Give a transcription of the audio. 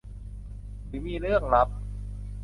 หรือมีเรื่องลับ